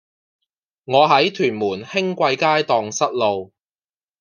我喺屯門興貴街盪失路